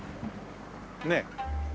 ねえ。